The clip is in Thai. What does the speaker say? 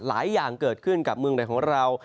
หลายอย่างเกิดขึ้นกับเมืองไหนของเรา